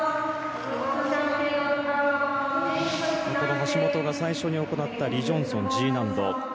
橋本が最初に行ったリ・ジョンソン、Ｄ難度。